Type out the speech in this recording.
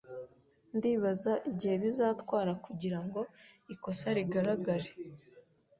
Ndibaza igihe bizatwara kugirango ikosa rigaragare